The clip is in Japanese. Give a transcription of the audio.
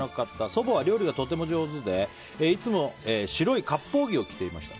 祖母は料理がとても上手でいつも白いかっぽう着を着ていました。